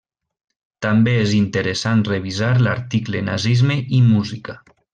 També és interessant revisar l'article Nazisme i música.